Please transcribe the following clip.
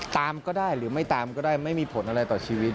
ตามก็ได้หรือไม่ตามก็ได้ไม่มีผลอะไรต่อชีวิต